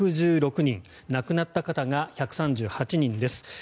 亡くなった方が１３８人です。